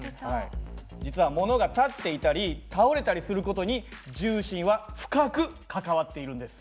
実はものが立っていたり倒れたりする事に重心は深く関わっているんです。